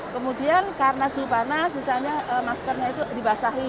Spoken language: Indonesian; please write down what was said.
kemudian karena suhu panas misalnya maskernya itu dibasahi